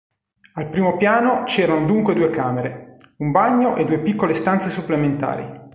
Al primo piano c'erano dunque due camere, un bagno e due piccole stanze supplementari.